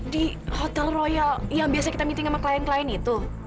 di hotel royal yang biasa kita meeting sama klien klien itu